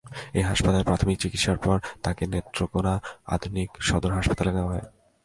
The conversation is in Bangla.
এই হাসপাতালে প্রাথমিক চিকিৎসার পর তাকে নেত্রকোনা আধুনিক সদর হাসপাতালে নেওয়া হয়।